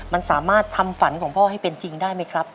มันสามารถทำฝันของพ่อให้เป็นจริงได้ไหมครับ